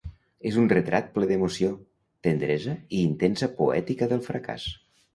És un retrat ple d'emoció, tendresa i intensa poètica del fracàs.